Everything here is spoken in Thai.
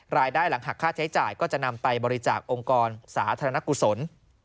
รายได้หลังหักค่าใช้จ่ายก็จะนำไปบริจาคองค์กรสาธารณกุศล